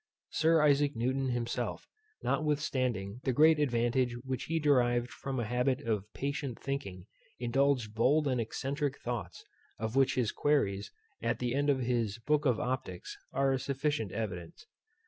Sir Isaac Newton himself, notwithstanding the great advantage which he derived from a habit of patient thinking, indulged bold and excentric thoughts, of which his Queries at the end of his book of Optics are a sufficient evidence.